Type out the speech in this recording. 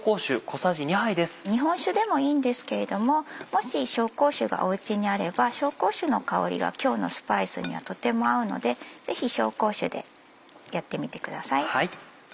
日本酒でもいいんですけれどももし紹興酒がお家にあれば紹興酒の香りが今日のスパイスにはとても合うのでぜひ紹興酒でやってみてください。